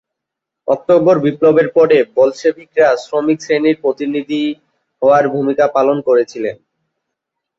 October বিপ্লবের পরে বলশেভিকরা শ্রমিক শ্রেণির প্রতিনিধি হওয়ার ভূমিকা পালন করেছিলেন।